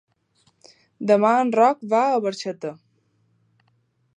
Demà en Roc va a Barxeta.